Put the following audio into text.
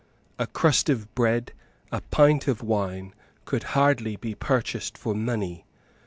A crust of bread, a pint of wine, could hardly be purchased for money.